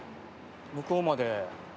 向こうまで。